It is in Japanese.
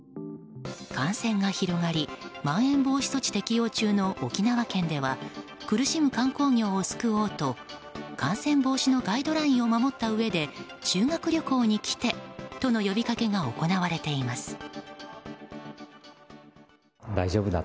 感染が広がりまん延防止措置適用中の沖縄県では苦しむ観光業を救おうと感染防止のガイドラインを守ったうえで修学旅行に来てとの呼びかけが行われています。